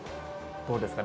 どうですかね。